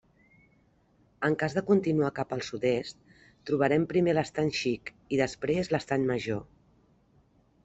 En cas de continuar cap al sud-est, trobarem primer l'Estany Xic i després l'Estany Major.